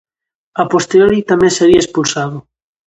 A posteriori tamén sería expulsado.